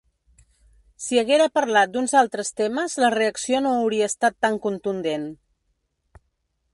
Si haguera parlat d’uns altres temes la reacció no hauria estat tan contundent.